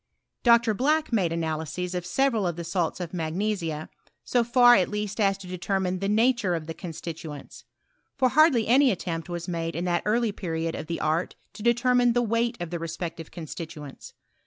Dr. Black made ana lyses of several of the salts of magnesia, so far at least as to determine the nature of the con stituents. F<ir hardly any attempt was made in that early period of the art to determine the weight of the respective constituents.